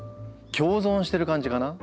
共存してる感じかな。